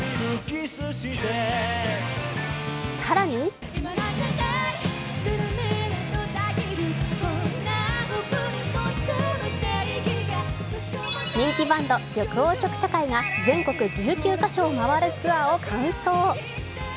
更に人気バンド緑黄色社会が全国１９カ所を回るツアーを完走。